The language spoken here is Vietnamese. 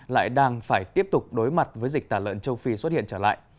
lại đang phải tiếp tục đối mặt với dịch tả lợn châu phi xuất hiện trở lại